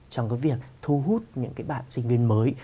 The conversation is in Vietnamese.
trong cái việc thu hút những cái bạn sinh viên mới